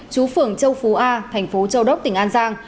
chú phường châu phú a thành phố châu đốc tỉnh an giang